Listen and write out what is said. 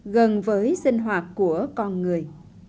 gần với sinh hoạt của con người